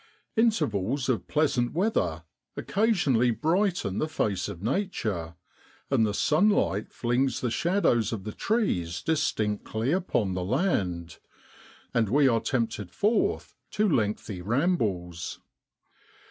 Intervals of pleasant weather occasionally brighten the face of Nature, and the sunlight flings the shadows of the trees distinctly upon the land, and we are tempted forth to lengthy rambles.